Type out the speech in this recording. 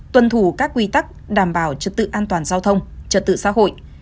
tuân thủ các quy tắc đảm bảo trật tự an toàn giao thông trật tự xã hội